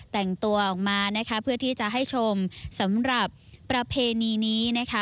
แต่งตัวออกมานะคะเพื่อที่จะให้ชมสำหรับประเพณีนี้นะคะ